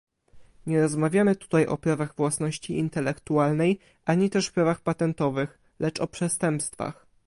Nie rozmawiamy tutaj o prawach własności intelektualnej, ani też prawach patentowych, lecz o przestępstwach